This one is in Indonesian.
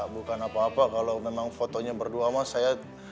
bukan apa apa kalau memang fotonya berdua mas saya